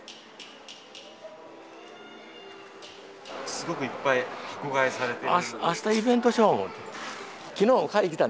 すごくいっぱい箱買いされてる。